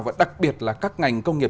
và đặc biệt là các ngành công nghiệp